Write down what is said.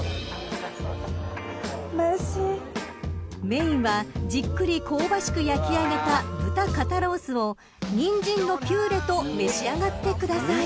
［メインはじっくり香ばしく焼きあげた豚肩ロースをニンジンのピューレと召し上がってください］